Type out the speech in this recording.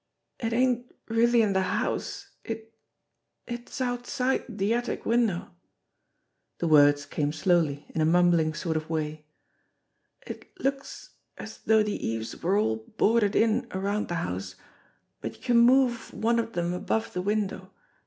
"It ain't really in the house, it it's outside the attic win dow." The words came slowly in a mumbling sort of way. "It looks as though the eaves were all boarded in around the house, but you can move one of them above the window.